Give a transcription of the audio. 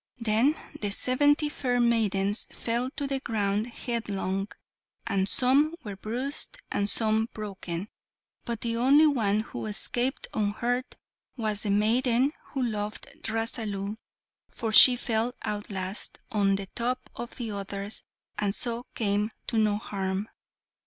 Then the seventy fair maidens fell to the ground headlong; and some were bruised and some broken, but the only one who escaped unhurt was the maiden who loved Rasalu, for she fell out last, on the top of the others, and so came to no harm.